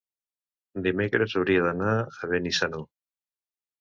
Dimecres hauria d'anar a Benissanó.